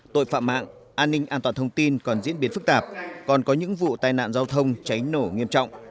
tội phạm mạng an ninh an toàn thông tin còn diễn biến phức tạp còn có những vụ tai nạn giao thông cháy nổ nghiêm trọng